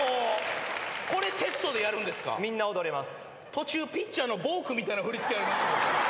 途中ピッチャーのボークみたいな振り付けありましたけど。